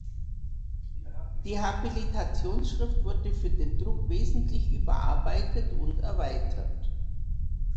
Die Habilitationsschrift wurde für den Druck wesentlich überarbeitet und erweitert.